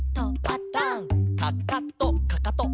「パタン」「かかとかかと」